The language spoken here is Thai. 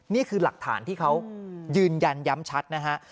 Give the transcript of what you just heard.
นี่คือหลักฐานที่เขายืนยันย้ำชัดนะฮะ